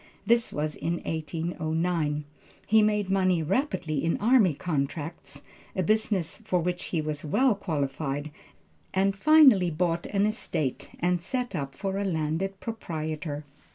This was in 1809. He made money rapidly in army contracts, a business for which he was well qualified, and finally bought an estate and set up for a landed proprietor.